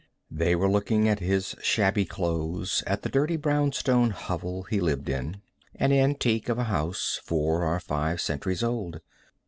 They were looking at his shabby clothes, at the dirty brownstone hovel he lived in an antique of a house four or five centuries old.